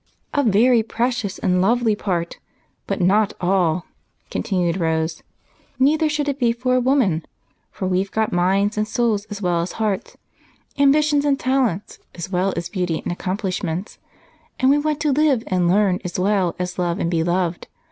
"A very precious and lovely part, but not all," continued Rose. "Neither should it be for a woman, for we've got minds and souls as well as hearts; ambition and talents as well as beauty and accomplishments; and we want to live and learn as well as love and be loved.